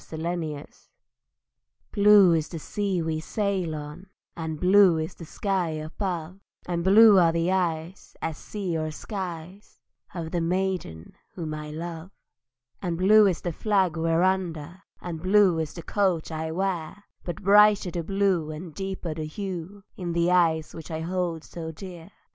TRUE BLUE Blue is the sea we sail on, And blue is the sky above, And blue are the eyes As sea or skies Of the maiden whom I love: And blue is the flag we're under, And blue is the coat I wear; But brighter the blue, And deeper the hue In the eyes which I hold so dear!